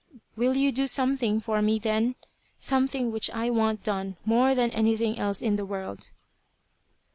"Will you do something for me, then? Something which I want done more than anything else in the world?"